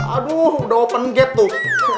aduh udah open gate tuh